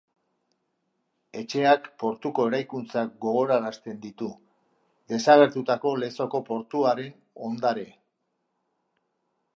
Etxeak portuko eraikuntzak gogorarazten ditu, desagertutako Lezoko portuaren ondare.